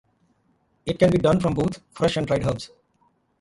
It can be done from both, fresh and dried herbs.